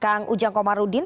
ada kang ujang komarudin